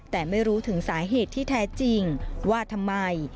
แต่ไม่รู้ถึงสาเหตุที่แท้จริงว่าทำไม